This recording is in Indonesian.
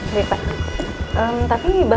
papa mama udah sadar